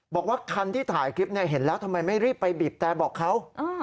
บอกว่าคันที่ถ่ายคลิปเห็นแล้วทำไมไม่รีบไปบีบแต่บอกเขา